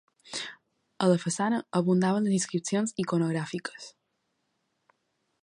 A la façana abundaven les inscripcions iconogràfiques.